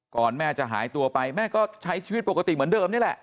แม่จะหายตัวไปแม่ก็ใช้ชีวิตปกติเหมือนเดิมนี่แหละ